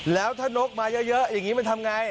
แล้วถ้านกมาเยอะอย่างนี้มันทำไง